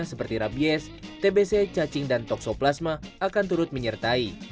seperti rabies tbc cacing dan toksoplasma akan turut menyertai